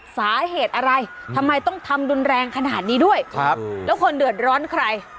สาเหตุอะไรทำไมต้องทำรุนแรงขนาดนี้ด้วยครับแล้วคนเดือดร้อนใคร